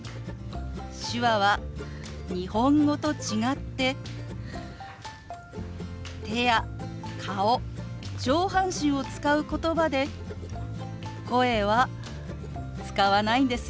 手話は日本語と違って手や顔上半身を使うことばで声は使わないんですよ。